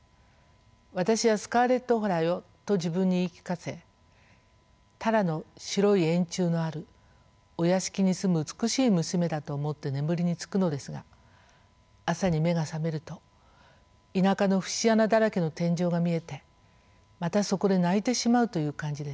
「私はスカーレット・オハラよ」と自分に言い聞かせタラの白い円柱のあるお屋敷に住む美しい娘だと思って眠りにつくのですが朝に目が覚めると田舎の節穴だらけの天井が見えてまたそこで泣いてしまうという感じでした。